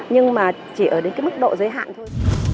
nhưng mà chỉ ở đến cái mức độ giới hạn thôi